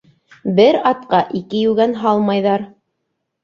Бер атҡа ике йүгән һалмайҙар.